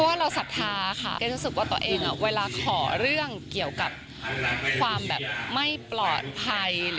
วันนี้ดึงเวลาขอเรื่องเกี่ยวกับความแบบไหมปลอดภัย